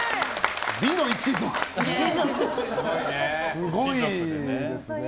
すごいですね。